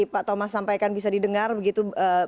pak thomas sampaikan bisa didengar begitu